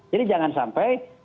jadi jangan sampai